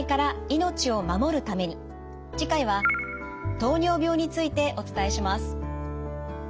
次回は糖尿病についてお伝えします。